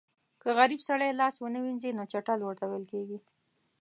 که غریب سړی لاس ونه وینځي نو چټل ورته ویل کېږي.